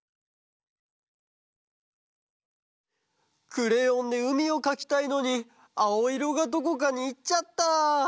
クレヨンでうみをかきたいのにあおいろがどこかにいっちゃった。